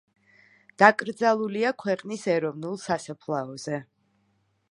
დაკრძალულია ქვეყნის ეროვნულ სასაფლაოზე.